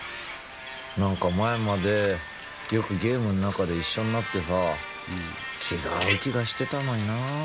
何か前までよくゲームの中で一緒になってさ気が合う気がしてたのになあ。